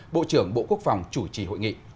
bộ trưởng bộ quốc phòng chủ trì hội nghị